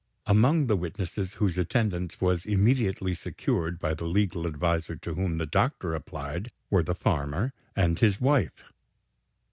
Among the witnesses whose attendance was immediately secured, by the legal adviser to whom the doctor applied, were the farmer and his wife.